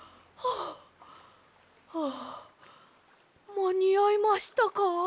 まにあいましたか？